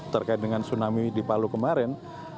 terkait dengan tsunami di palu kemarin